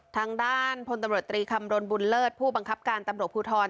ทางด้านพลตำรวจตรีคำรณบุญเลิศผู้บังคับการตำรวจภูทร